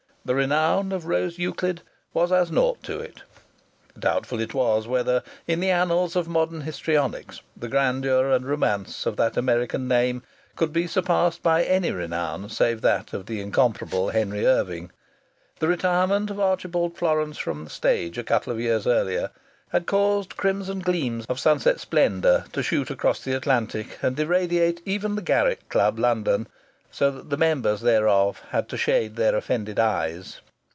The renown of Rose Euclid was as naught to it. Doubtful it was whether, in the annals of modern histrionics, the grandeur and the romance of that American name could be surpassed by any renown save that of the incomparable Henry Irving. The retirement of Archibald Florance from the stage a couple of years earlier had caused crimson gleams of sunset splendour to shoot across the Atlantic and irradiate even the Garrick Club, London, so that the members thereof had to shade their offended eyes.